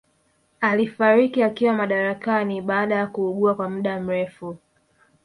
Alifariki akiwa madarakani baada ya kuugua kwa mda mrefu